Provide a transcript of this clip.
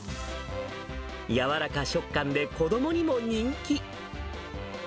柔らか食感で、子どもにも人気。